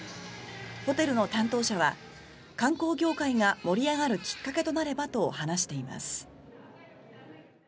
ホテルの担当者は観光業界が盛り上がるきっかけとなればと話しています。